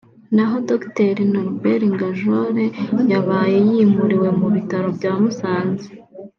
naho Dr Norbert Ngabjole yabaye yimuriwe mu bitaro bya Musanze